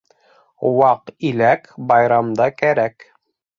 Ваҡ иләк байрамда кәрәк.